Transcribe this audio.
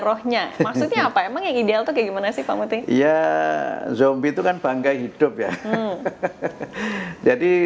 rohnya maksudnya apa emang yang ideal tuh kayak gimana sih pak muti ya zombie itu kan bangga hidup ya jadi